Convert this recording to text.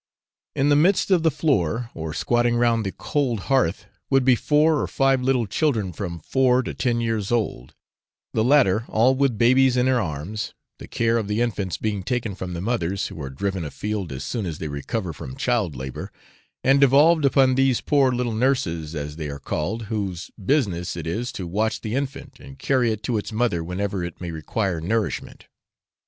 In the midst of the floor, or squatting round the cold hearth, would be four or five little children from four to ten years old, the latter all with babies in their arms, the care of the infants being taken from the mothers (who are driven a field as soon as they recover from child labour), and devolved upon these poor little nurses, as they are called, whose business it is to watch the infant, and carry it to its mother whenever it may require nourishment.